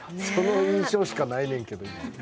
その印象しかないねんけど。